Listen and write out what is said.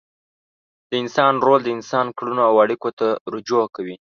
د انسان رول د انسان کړنو او اړیکو ته رجوع کوي.